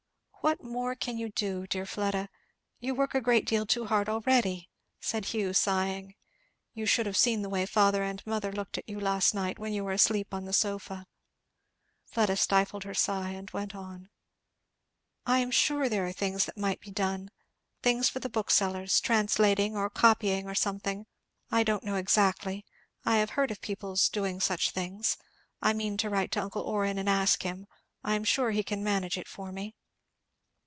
"What more can you do, dear Fleda? You work a great deal too hard already," said Hugh sighing. "You should have seen the way father and mother looked at you last night when you were asleep on the sofa." Fleda stifled her sigh, and went on. "I am sure there are things that might be done things for the booksellers translating, or copying, or something, I don't know exactly I have heard of people's doing such things. I mean to write to uncle Orrin and ask him. I am sure he can manage it for me."